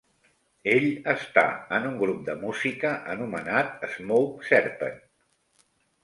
Ell està en un grup de música anomenat "Smoke Serpent".